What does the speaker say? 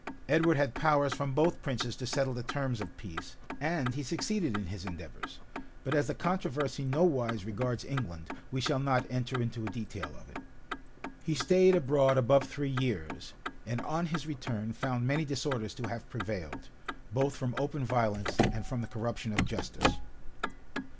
Edward had powers from both princes to settle the terms of peace, and he succeeded in his endeavors; but as the controversy nowise regards England, we shall not enter into a detail of it. He staid abroad above three years; and on his return found many disorders to have prevailed, both from open violence and from the corruption of justice.